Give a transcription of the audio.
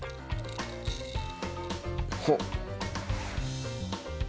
ほっ！